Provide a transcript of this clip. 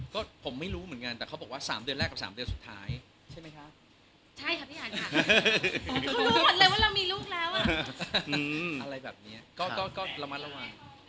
ก็ผมไม่รู้เหมือนกันแต่เขาบอกว่าสามเดือนแรกกับสามเดือนสุดท้ายใช่ไหมคะ